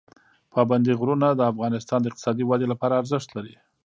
پابندي غرونه د افغانستان د اقتصادي ودې لپاره ارزښت لري.